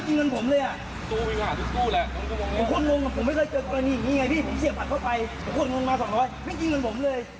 กลับเงินมา๒๐๐ไม่กินเงินผมเลย